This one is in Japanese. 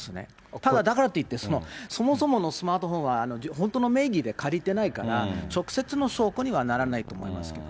ただだからといって、そもそものスマートフォンは本当の名義で借りてないから、直接の証拠にはならないと思いますけど。